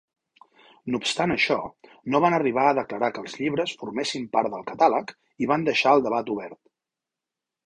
No obstant això, no van arribar a declarar que els llibres formessin part del catàleg i van deixar el debat obert.